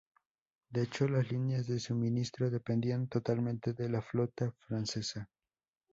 De hecho, las líneas de suministro dependían totalmente de la flota francesa.